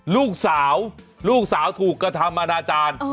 ลูกสาวลูกสาวถูกกระทำอนาจารย์